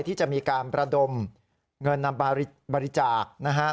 ที่จะมีการประดมเงินนำบริจาคนะฮะ